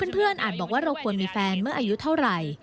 อาจบอกว่าเราควรมีแฟนเมื่ออายุเท่าไหร่